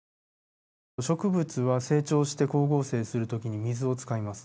植物は成長して光合成する時に水を使います。